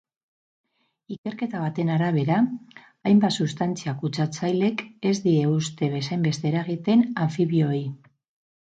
Ikerketa baten arabera, hainbat substantzia kutsatzailek ez die uste bezainbeste eragiten anfibioei.